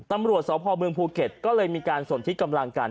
ตำรวจสพเมืองภูเก็ตก็เลยมีการสนที่กำลังกัน